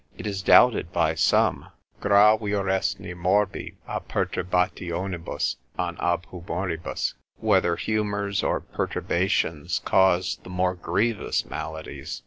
It is doubted by some, Gravioresne morbi a perturbationibus, an ab humoribus, whether humours or perturbations cause the more grievous maladies.